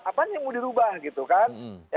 apanya yang mau dirubah gitu kan